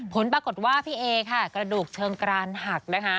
ผลปรากฏว่าพี่เอกระดูกเชิงกรานหัก